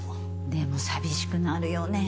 でも寂しくなるよね。